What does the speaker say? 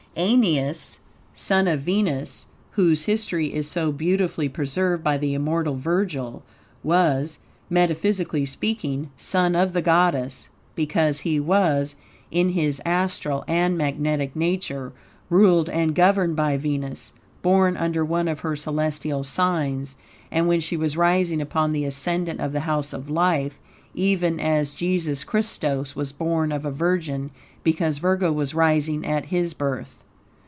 Aeneas, son of Venus, whose history is so beautifully preserved by the immortal Virgil, was (metaphysically speaking) son of the goddess, because he was, in his astral and magnetic nature, ruled and governed by Venus, born under one of her celestial signs and when she was rising upon the ascendant of the House of Life, even as Jesus Christos was born of a virgin, because Virgo was rising at His birth.